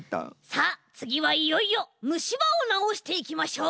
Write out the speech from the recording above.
さあつぎはいよいよむしばをなおしていきましょう。